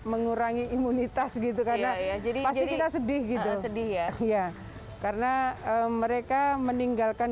mengurangi imunitas gitu karena pasti kita sedih gitu sedih ya karena mereka meninggalkan